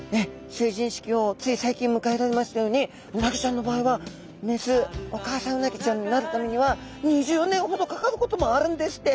成人式をつい最近むかえられましたようにうなぎちゃんの場合は雌お母さんうなぎちゃんになるためには２０年ほどかかることもあるんですって。